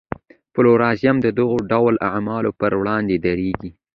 پلورالېزم د دې ډول اعلو پر وړاندې درېږي.